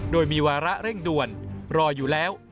โดยมีวาระเร่งด่วนรออยู่แล้ว